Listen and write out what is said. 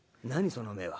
その目は。